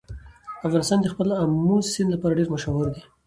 افغانستان د خپل آمو سیند لپاره ډېر مشهور دی.